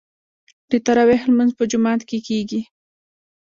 د تراويح لمونځ په جومات کې کیږي.